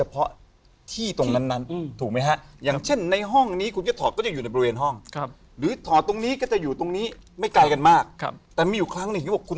ไปดูที่ไหนมาบ้าง